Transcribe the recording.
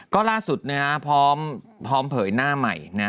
ก็ล่าสุดนะฮะพร้อมเผยหน้าใหม่นะ